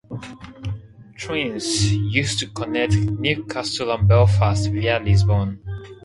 Trains used to connect Newcastle and Belfast via Lisburn.